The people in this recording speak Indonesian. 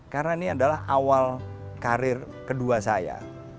karena ini adalah awal karir kedua saya